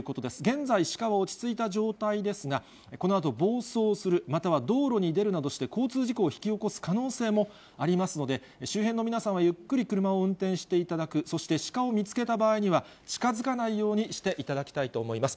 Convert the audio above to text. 現在、シカは落ち着いた状態ですが、このあと暴走する、または道路に出るなどして、交通事故を引き起こす可能性もありますので、周辺の皆さんはゆっくり車を運転していただく、そしてシカを見つけた場合には、近づかないようにしていただきたいと思います。